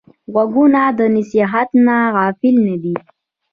غوږونه د نصیحت نه غافل نه دي